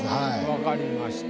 わかりました。